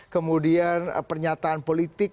kemudian pernyataan politik